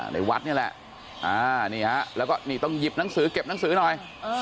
ในวัดนี่แหละนี่ฮะแล้วก็นี่ต้องหยิบหนังสือเก็บหนังสือหน่อย